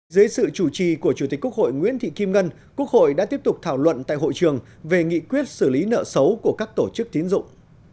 dưới sự chủ trì của chủ tịch quốc hội nguyễn thị kim ngân quốc hội đã tiếp tục thảo luận tại hội trường về nghị quyết xử lý nợ xấu của các tổ chức tín dụng